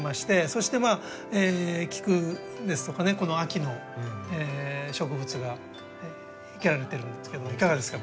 そしてキクですとか秋の植物が生けられてるんですけどいかがですか？